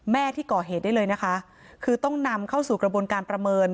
แม่ที่ก่อเหตุได้เลยนะคะคือต้องนำเข้าสู่กระบวนการประเมิน